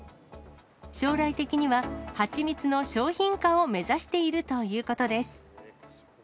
将来的には、はちみつの商品化を目指しているということです。